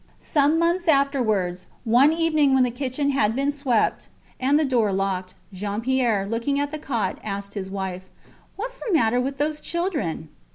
Some months afterwards, one evening when the kitchen had been swept, and the door locked, Jean Pierre, looking at the cot, asked his wife: Whats the matter with those children?